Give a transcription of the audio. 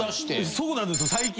そうなんですよ最近。